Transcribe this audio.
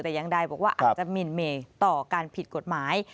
แต่ยังใดบอกว่าอาจจะมินเมต่อการผิดกฎหมาย